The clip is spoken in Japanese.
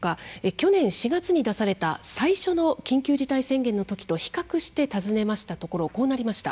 去年４月に出された最初の緊急事態宣言のときと比較して尋ねましたところこうなりました。